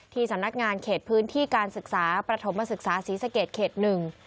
สำนักงานเขตพื้นที่การศึกษาประถมศึกษาศรีสะเกดเขตหนึ่ง